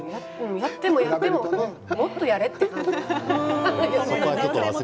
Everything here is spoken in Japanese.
やってもやってももっとやれという感じですかね。